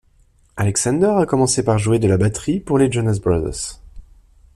Alexander a commencé par jouer de la batterie pour les Jonas Brothers.